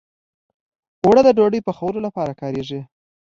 اوړه د ډوډۍ پخولو لپاره کارېږي